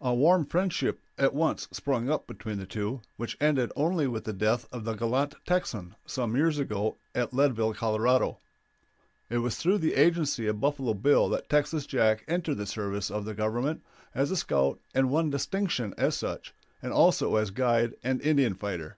A warm friendship at once sprung up between the two, which ended only with the death of the gallant Texan some years ago at Leadville, Colo. It was through the agency of Buffalo Bill that Texas Jack entered the service of the Government as a scout and won distinction as such, and also as guide and Indian fighter.